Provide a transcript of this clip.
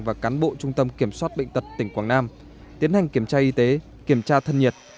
và cán bộ trung tâm kiểm soát bệnh tật tỉnh quảng nam tiến hành kiểm tra y tế kiểm tra thân nhiệt